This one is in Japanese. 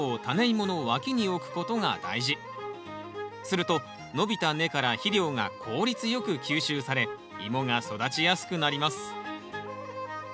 すると伸びた根から肥料が効率よく吸収されイモが育ちやすくなります。